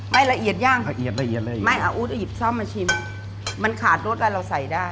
ไม่ละเอียดหรือยังอาอุ๊ดจะหยิบซ่อมมาชิมมันขาดรสแล้วเราใส่ได้